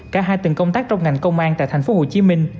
cả hai từng công tác trong ngành công an tại tp hcm